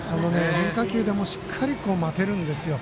変化球でもしっかり待てるんですよ。